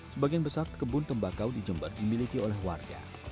sebagian besar kebun tembakau di jember dimiliki oleh warga